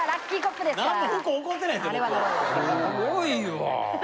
すごいわ。